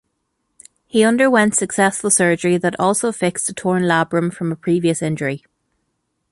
He underwent successful surgery that also fixed a torn labrum from a previous injury.